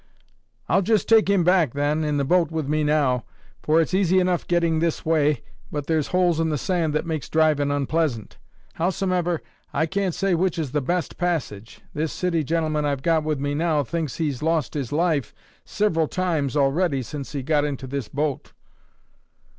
"I'll just take him back, then, in the boat with me now, for it's easy enough getting this way, but there's holes in the sand that makes drivin' unpleasant. Howsomever, I can't say which is the best passage. This city gentleman I've got with me now thinks he's lost his life siveral times already since he got into this boat."